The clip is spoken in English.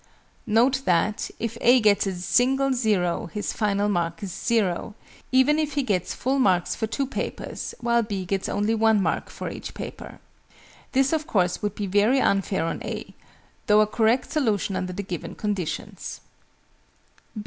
Note that, if A gets a single "0," his final mark is "0," even if he gets full marks for 2 papers while B gets only one mark for each paper. This of course would be very unfair on A, though a correct solution under the given conditions.